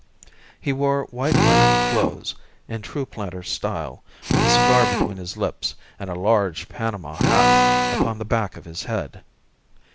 He wore white linen clothes, in true planter style, with a cigar between his lips, and a large Panama hat upon the back of his head.